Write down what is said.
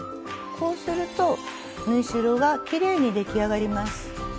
こうすると縫い代がきれいに出来上がります。